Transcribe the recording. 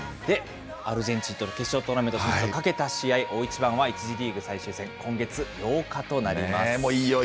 アルゼンチンと決勝トーナメントを懸けた試合、大一番、１次リーグ最終戦、今月８日となります。